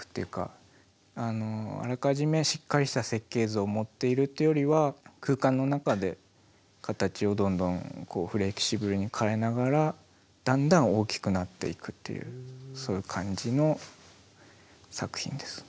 あらかじめしっかりした設計図を持っているっていうよりは空間の中で形をどんどんフレキシブルに変えながらだんだん大きくなっていくっていうそういう感じの作品です。